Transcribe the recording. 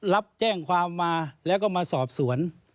รับแจ้งความมาแล้วก็มาสอบสวน